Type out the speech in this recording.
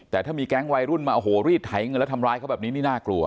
แต่ถ้ามีแก๊งวัยรุ่นมาโอ้โหรีดไถเงินแล้วทำร้ายเขาแบบนี้นี่น่ากลัว